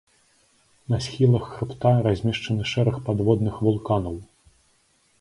На схілах хрыбта размешчаны шэраг падводных вулканаў.